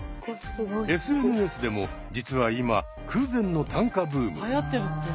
ＳＮＳでも実は今空前の短歌ブーム。